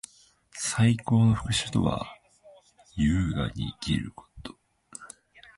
最高の復讐とは，優雅に生きること。